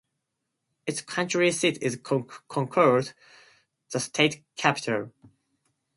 Its county seat is Concord, the state capital.